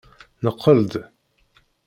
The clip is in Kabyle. Neqqel-d.